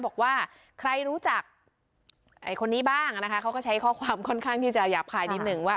บอกว่าใครรู้จักคนนี้บ้างนะคะเขาก็ใช้ข้อความค่อนข้างที่จะหยาบคายนิดนึงว่า